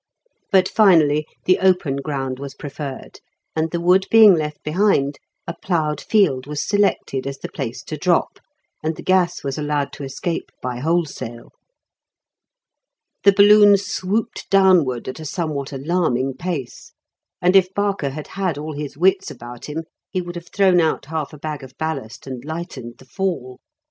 But finally the open ground was preferred, and, the wood being left behind, a ploughed field was selected as the place to drop, and the gas was allowed to escape by wholesale. The balloon swooped downward at a somewhat alarming pace, and if Barker had had all his wits about him he would have thrown out half a bag of ballast and lightened the fall.